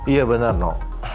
iya benar no